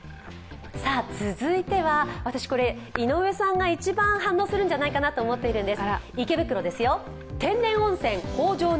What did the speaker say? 続いては、井上さんが一番反応するんじゃないかなと思っているんです。